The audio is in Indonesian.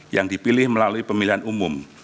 yang dipilih melalui pemilihan umum